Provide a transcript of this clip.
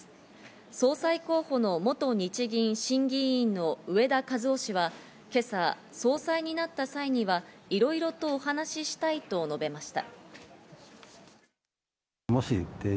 総裁候補の元日銀審議委員の植田和男氏は今朝、総裁になった際にはいろいろとお話したいと述べました。